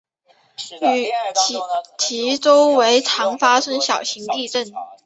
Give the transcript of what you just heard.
其周围常发生小型地震。